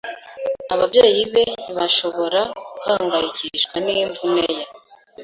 Ababyeyi be ntibashobora guhangayikishwa n’imvune ye.